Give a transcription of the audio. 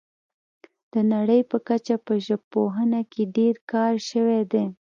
د نړۍ په کچه په ژبپوهنه کې ډیر کار شوی دی